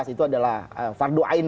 itu adalah fardoain